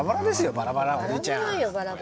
バラバラおじいちゃん。